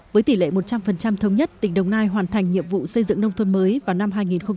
với tỷ lệ một trăm linh thống nhất tỉnh đồng nai hoàn thành nhiệm vụ xây dựng nông thôn mới vào năm hai nghìn hai mươi